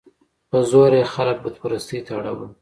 په زوره یې خلک بت پرستۍ ته اړول.